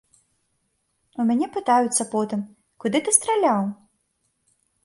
У мяне пытаюцца потым, куды ты страляў?